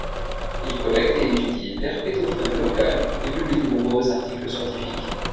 Il collecte et étudie l'herpétofaune locale et publie de nombreux articles scientifiques.